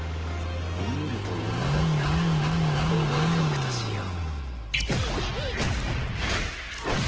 リムルという名だったか覚えておくとしよう